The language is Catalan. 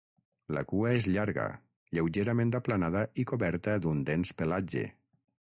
La cua és llarga, lleugerament aplanada i coberta d'un dens pelatge.